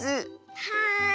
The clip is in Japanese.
はい！